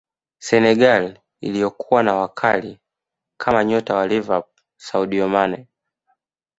senegal iliyokuwa na wakali kama nyota wa liverpool sadio mane